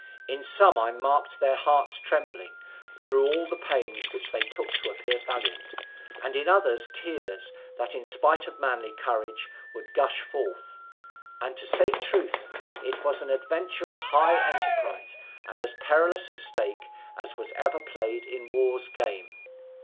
In some I marked their hearts trembling, through all the pains which they took to appear valiant, and in others tears, that in spite of manly courage would gush forth. And to say truth, it was an adventure of high enterprise, and as perilous a stake as was ever played in war's game.